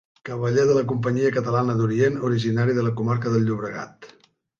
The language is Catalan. Cavaller de la Companyia catalana d'Orient, originari de la comarca del Llobregat.